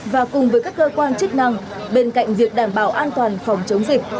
và cùng với các cơ quan chức năng bên cạnh việc đảm bảo an toàn phòng chống dịch